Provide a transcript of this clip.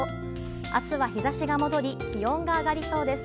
明日は日差しが戻り気温が上がりそうです。